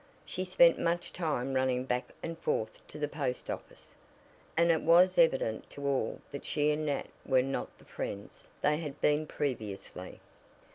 She spent much time running back and forth to the post office, and it was evident to all that she and Nat were not the friends they had been previously.